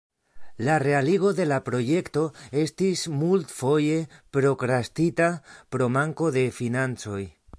La realigo de la projekto estis multfoje prokrastita pro manko de financoj.